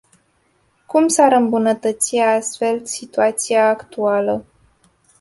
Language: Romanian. Cum s-ar îmbunătăți astfel situația actuală?